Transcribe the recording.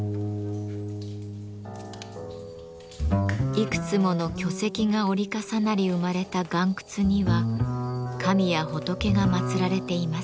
いくつもの巨石が折り重なり生まれた岩窟には神や仏が祀られています。